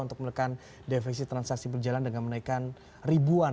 untuk menekan defisit transaksi berjalan dengan menaikkan ribuan